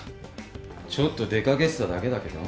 ちょっと出掛けてただけだけど。